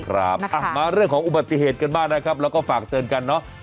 ครับมาเรื่องของอุบัติเหตุกันบ้างนะครับแล้วก็ฝากเตือนกันเนอะ